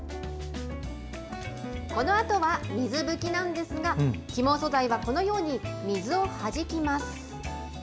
このあとは水拭きなんですが、起毛素材はこのように水をはじきます。